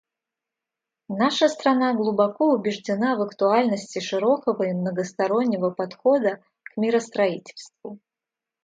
Наша страна глубоко убеждена в актуальности широкого и многостороннего подхода к миростроительству.